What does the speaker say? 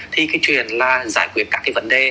thì cái chuyện là giải quyết các cái vấn đề